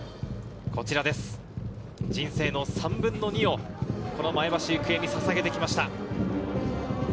人生の３分の２をこの前橋育英にささげてきました。